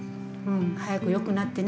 早く良くなってね。